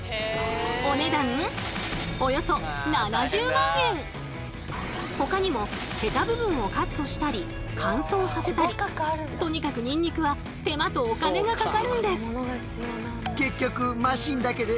お値段ほかにもヘタ部分をカットしたり乾燥させたりとにかくニンニクは手間とお金がかかるんです。